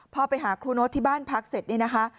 พอไปหาครูโน๊ตที่บ้านพักเสร็จนี่นะคะ